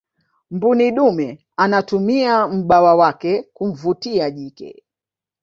mbuni dume anatumia mbawa zake kumvutia jike